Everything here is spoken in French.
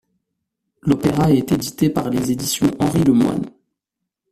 L'opéra est édité par les éditions Henry Lemoine.